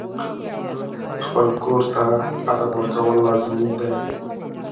خپل کور ته قدر ورکول لازمي دي.